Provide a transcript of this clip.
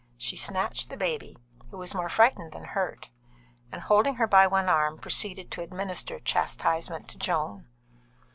She snatched the baby, who was more frightened than hurt, and holding her by one arm, proceeded to administer chastisement to Joan.